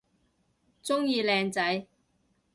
鍾意靚仔